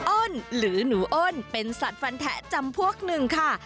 อ้นหรือหนูอ้นเป็นสัตว์ฟันแทะจำพวกหนึ่งค่ะ